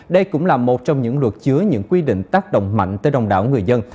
đây cũng là một trong những luật chứa những quy định tác động mạnh tới đông đảo người dân